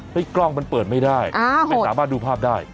กล้องมันเปิดไม่ได้ไม่สามารถดูภาพได้